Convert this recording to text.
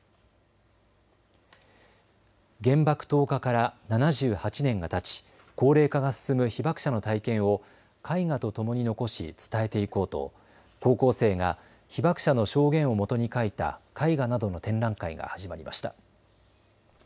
原爆投下から７８年がたち高齢化が進む被爆者の体験を絵画とともに残し伝えていこうと高校生が被爆者の証言をもとに描いた絵画などの展覧会が始まりました。